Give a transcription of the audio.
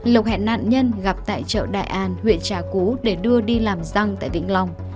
lộc hẹn nạn nhân gặp tại chợ đại an huyện trà cú để đưa đi làm răng tại vĩnh long